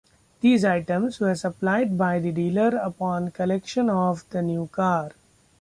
These items were supplied by the dealer upon collection of the new car.